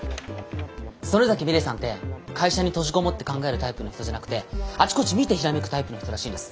曽根崎ミレイさんって会社に閉じ籠もって考えるタイプの人じゃなくてあちこち見てひらめくタイプの人らしいんです。